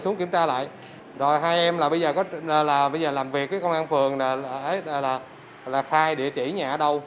xuống kiểm tra lại rồi hai em là bây giờ làm việc với công an phường là khai địa chỉ nhà ở đâu